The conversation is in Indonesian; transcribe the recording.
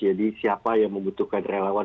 jadi siapa yang membutuhkan relawan